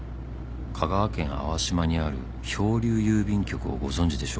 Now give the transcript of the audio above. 「香川県粟島にある漂流郵便局をご存じでしょうか」